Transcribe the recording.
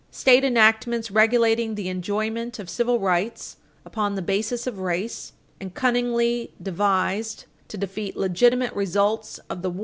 State enactments regulating the enjoyment of civil rights upon the basis of race, and cunningly devised to defeat legitimate results of the Page 163 U.